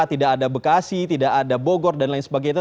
tidak ada bekasi tidak ada bogor dan lain sebagainya